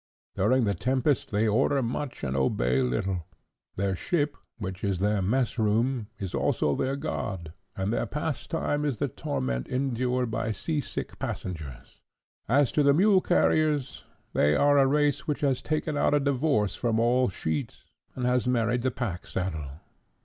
During the tempest they order much and obey little. Their ship, which is their mess room, is also their god, and their pastime is the torment endured by sea sick passengers. "As to the mule carriers, they are a race which has taken out a divorce from all sheets, and has married the pack saddle.